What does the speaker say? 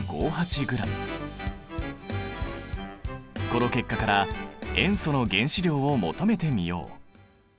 この結果から塩素の原子量を求めてみよう。